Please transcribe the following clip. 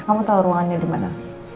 kamu tahu ruangannya dimana